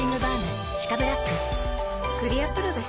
クリアプロだＣ。